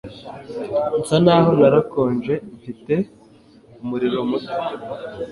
Nsa naho narakonje Mfite umuriro muto